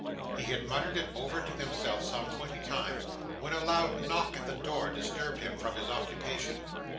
He had muttered it over to himself some twenty times, when a loud knock at the door disturbed him from his occupation.